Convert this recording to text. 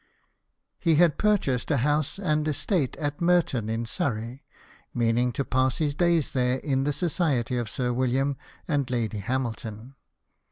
He had purchased a house and estate at Merton, in Surrey, meaning to pass his days there in the society of Sir William and Lady Hamilton.